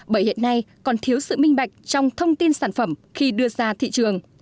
bởi hiện nay còn thiếu sự minh bạch trong thông tin sản phẩm khi đưa ra thị trường